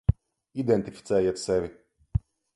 Identificējiet sevi.